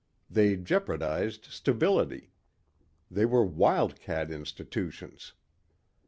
They jeopardized stability. They were wildcat institutions.